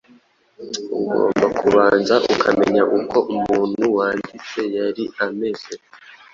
ugomba kubanza ukamenya uko umuntu wanditse yari ameze